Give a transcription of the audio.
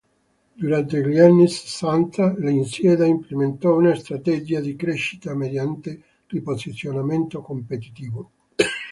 Durante gli anni sessanta, l’azienda implementò una strategia di crescita mediante riposizionamento competitivo.